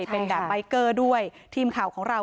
ใช่ค่ะเป็นด่าไบเกอร์ด้วยทีมข่าวของเรา